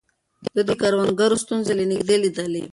ده د کروندګرو ستونزې له نږدې ليدلې.